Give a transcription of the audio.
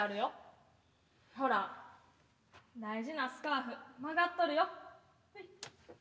ほら大事なスカーフ曲がっとるよ。